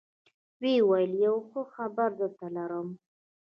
ويې ويل يو ښه خبرم درته لرم.